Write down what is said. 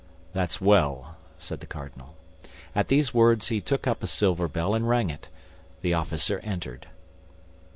"That's well," said the cardinal. At these words he took up a silver bell, and rang it; the officer entered.